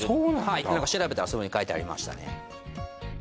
い何か調べたら書いてありましたね